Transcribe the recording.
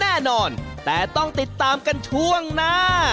แน่นอนแต่ต้องติดตามกันช่วงหน้า